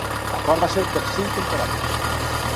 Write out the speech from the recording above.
L'acord va ser per cinc temporades.